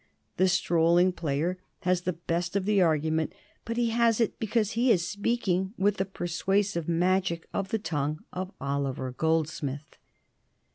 The strolling player has the best of the argument, but he has it because he is speaking with the persuasive magic of the tongue of Oliver Goldsmith.